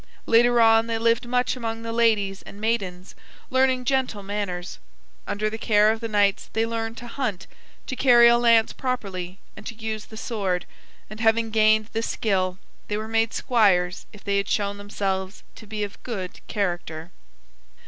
Later on, they lived much among the ladies and maidens, learning gentle manners. Under the care of the knights, they learned to hunt, to carry a lance properly, and to use the sword; and having gained this skill, they were made squires if they had shown themselves to be of good character.